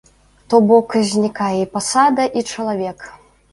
То бок, знікае і пасада, і чалавек.